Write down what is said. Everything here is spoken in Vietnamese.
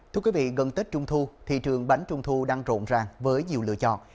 thưa quý vị gần tết trung thu thị trường bánh trung thu đang rộn ràng với nhiều lựa chọn